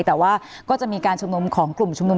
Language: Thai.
แต่ว่าก็จะมีการชุมนุมของกลุ่มชุมนุม